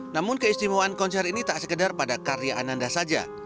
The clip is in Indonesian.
namun keistimewaan konser ini tak sekedar pada karya ananda saja